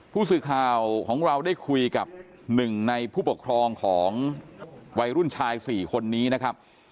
ผู้สื่อข่าวของเราได้คุยกับหนึ่งในผู้ปกครองของวัยรุ่นชาย๔คนนี้นะครับ